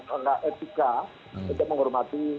rangka etika untuk menghormati